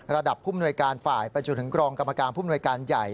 ระดับภูมิหน่วยการฝ่ายไปจนถึงกรองกรรมการภูมิหน่วยการใหญ่